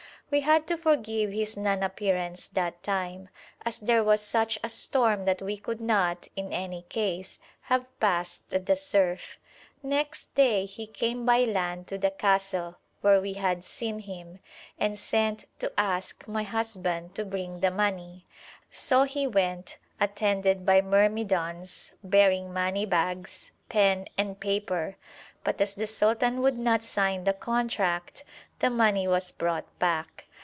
We had to forgive his non appearance that time, as there was such a storm that we could not, in any case, have passed the surf. Next day he came by land to the castle, where we had seen him, and sent to ask my husband to bring the money; so he went, attended by myrmidons bearing money bags, pen, and paper, but as the sultan would not sign the contract, the money was brought back.